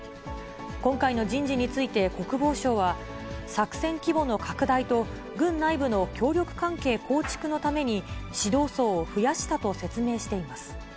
今回の人事について国防省は、作戦規模の拡大と、軍内部の協力関係構築のために、指導層を増やしたと説明しています。